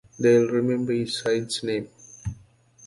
They'll remember Eastside's name.